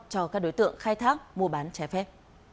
cho các đối tượng khai thác mua bán trái phép